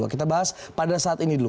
kita bahas pada saat ini dulu